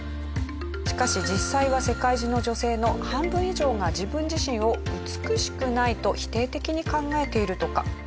しかし実際は世界中の女性の半分以上が自分自身を美しくないと否定的に考えているとか。